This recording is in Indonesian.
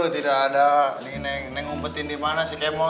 tidak ada neng ngumpetin dimana si kemut